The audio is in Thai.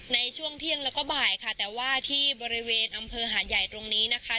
ในช่วงเที่ยงแล้วก็บ่ายค่ะแต่ว่าที่บริเวณอำเภอหาดใหญ่ตรงนี้นะคะ